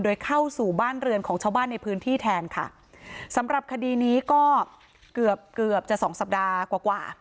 โดยเข้าสู่บ้านเรือนของชาวบ้านในพื้นที่แทนค่ะสำหรับคดีนี้ก็เกือบเกือบจะสองสัปดาห์กว่ากว่า